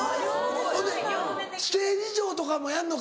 ほんでステージ上とかもやんのか？